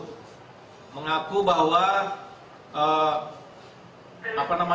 polisi yang mendapat laporan langsung bergerak melakukan penyelidikan